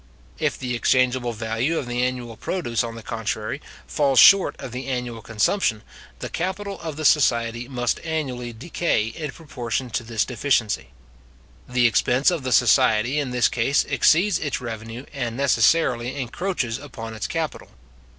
If the exchangeable value of the annual produce, on the contrary, fall short of the annual consumption, the capital of the society must annually decay in proportion to this deficiency. The expense of the society, in this case, exceeds its revenue, and necessarily encroaches upon its capital.